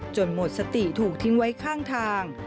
หมดสติถูกทิ้งไว้ข้างทาง